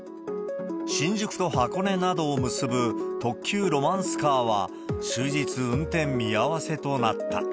新宿と箱根などを結ぶ特急ロマンスカーは、終日運転見合わせとなった。